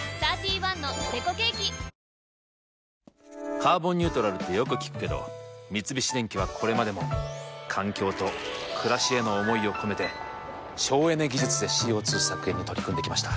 「カーボンニュートラル」ってよく聞くけど三菱電機はこれまでも環境と暮らしへの思いを込めて省エネ技術でＣＯ２削減に取り組んできました。